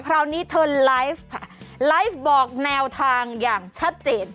คราวนี้เธอไลฟ์ค่ะไลฟ์บอกแนวทางอย่างชัดเจน